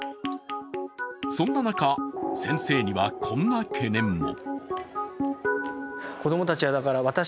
そんな中、先生にはこんな懸念も。